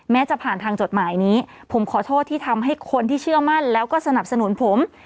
จะผ่านทางจดหมายนี้ผมขอโทษที่ทำให้คนที่เชื่อมั่นแล้วก็สนับสนุนผม